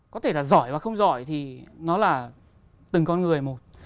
có thể là giỏi và không giỏi thì nó là từng con người một